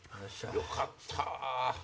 よかった！